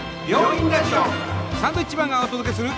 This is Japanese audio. サンドウィッチマンがお届けする。